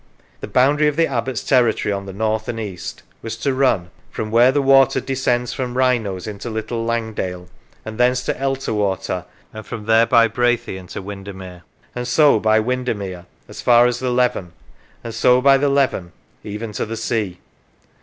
The boundary of the abbot's territory on the north and east was to run " from where the water descends from Wrynose into Little Langdale, and thence to Elterwater, and from there by Brathay into Windermere, and so by Windermere as far as the Leven, and so by the Leven even to the sea."